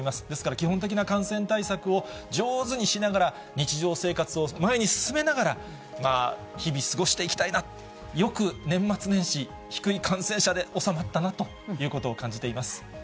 ですから、基本的な感染対策を上手にしながら、日常生活を前に進めながら、日々過ごしていきたいな、よく年末年始、低い感染者で収まったなということを感じています。